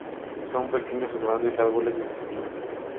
Son pequeños o grandes árboles sin espinas.